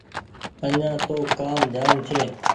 آڃآن تو ڪآم جآم ڇي